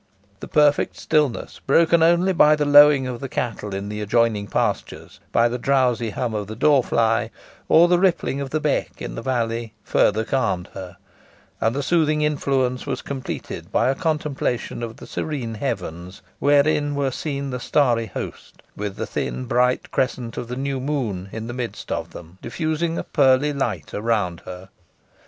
The perfect stillness, broken only by the lowing of the cattle in the adjoining pastures, by the drowsy hum of the dor fly, or the rippling of the beck in the valley, further calmed her; and the soothing influence was completed by a contemplation of the serene heavens, wherein were seen the starry host, with the thin bright crescent of the new moon in the midst of them, diffusing a pearly light around her.